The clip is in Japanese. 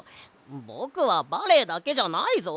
ぼくはバレエだけじゃないぞ。